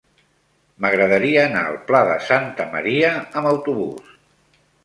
M'agradaria anar al Pla de Santa Maria amb autobús.